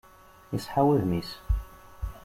Iseḥḥa wudem-is.